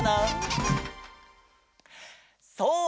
そう！